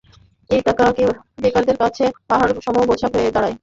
এই টাকা বেকারদের কাছে পাহাড়সম বোঝা হয়ে দাঁড়ায়।